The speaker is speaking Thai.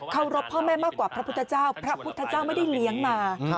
เขารบพ่อแม่มากกว่าพระพุทธเจ้าพระพุทธเจ้าไม่ได้เลี้ยงมา